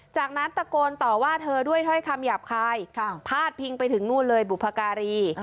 จากนั้นตะโกนต่อว่าเธอด้วยถ้อยคำหยาบคายพาดพิงไปถึงนู่นเลยบุพการี